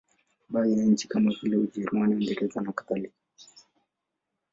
Baadhi ya nchi kama vile Ujerumani, Uingereza nakadhalika.